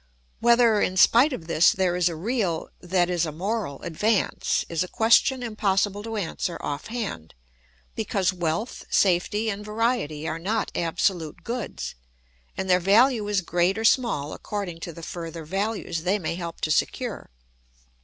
Whether, in spite of this, there is a real—that is, a moral—advance is a question impossible to answer off hand, because wealth, safety, and variety are not absolute goods, and their value is great or small according to the further values they may help to secure.